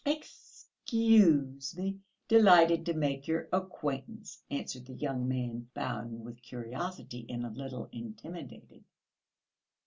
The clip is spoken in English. "Excuse me, delighted to make your acquaintance," answered the young man, bowing with curiosity and a little intimidated.